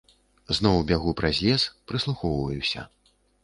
Зноў бягу праз лес, прыслухоўваюся.